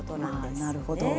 なるほど。